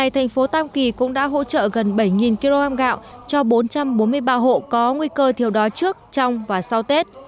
tam kỳ cũng đã hỗ trợ gần bảy kg gạo cho bốn trăm bốn mươi ba hộ có nguy cơ thiều đói trước trong và sau tết